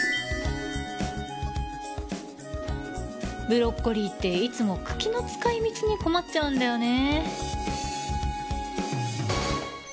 ブロッコリーっていつも茎の使い道に困っちゃうんだよね